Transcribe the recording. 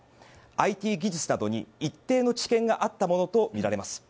ＩＴ技術などに一定の知見があったものとみられます。